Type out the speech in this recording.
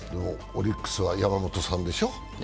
オリックスは山本さんでしょ。